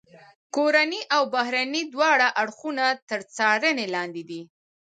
کورني او بهرني دواړه اړخونه تر څارنې لاندې لري.